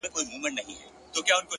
هر منزل د نوې موخې دروازه ده.